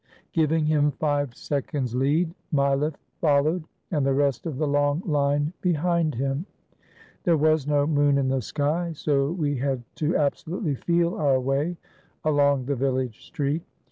Giving him five seconds' lead, Mileff fol lowed and the rest of the long line behind him. There was no moon in the sky, so we had to absolutely feel our way along the village street.